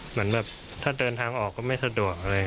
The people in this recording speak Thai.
เหมือนแบบถ้าเดินทางออกก็ไม่สะดวกอะไร